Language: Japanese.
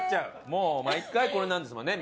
もう毎回これなんですもんね